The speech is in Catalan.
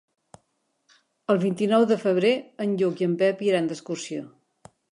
El vint-i-nou de febrer en Lluc i en Pep iran d'excursió.